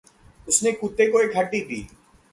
उसने कुत्ते को एक हड्डी दी।